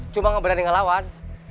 cuma gak berani ngelawan